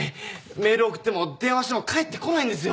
メール送っても電話しても返ってこないんですよ。